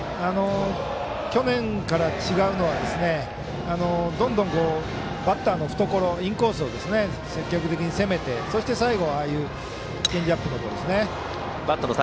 去年から違うのはどんどんバッターの懐インコースを積極的に攻めてそして、最後はチェンジアップのようですね。